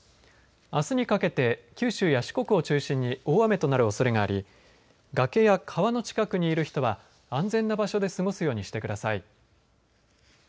あすにかけて九州や四国を中心に大雨となるおそれがあり崖や川の近くにいる人は安全な場所で過ごすようにしてください。